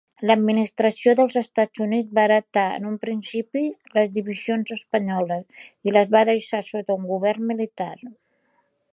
L'administració dels Estats Units va heretar en un principi les divisions espanyoles i les va deixar sota un govern militar.